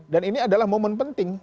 dan ini adalah momen penting